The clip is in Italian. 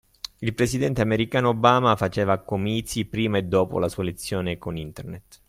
Il presidente americano Obama faceva comizi prima e dopo la sua elezione con internet!